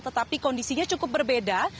tetapi kondisinya cukup berbeda